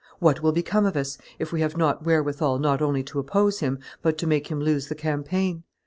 What will become of us, if we have not wherewithal not only to oppose him, but to make him lose the campaign?